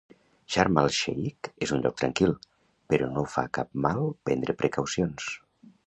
Sharm al-Sheik és un lloc tranquil, però no fa cap mal prendre precaucions.